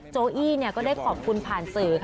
โจอี้เนี่ยก็ได้ขอบคุณผ่านสื่อค่ะ